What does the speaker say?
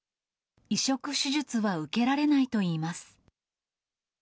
移植手術は受けられないといいます。